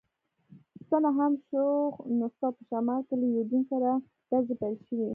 ستنه هم شو، نو څه، په شمال کې له یوډین سره ډزې پیل شوې.